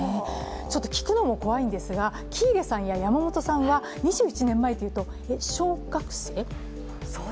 ちょっときくのも怖いんですが、喜入さん山本さんは２１年前というと、小学生？